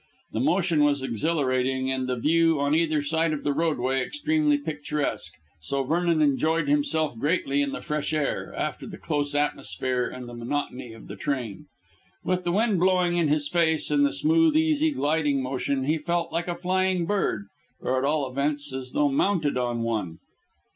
The motion was exhilarating, and the view on either side of the roadway extremely picturesque, so Vernon enjoyed himself greatly in the fresh air, after the close atmosphere and the monotony of the train. With the wind blowing in his face and the smooth, easy gliding motion, he felt like a flying bird, or at all events as though mounted on one.